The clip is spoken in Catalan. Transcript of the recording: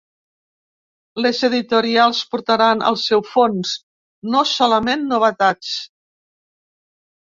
Les editorials portaran el seu fons, no solament novetats.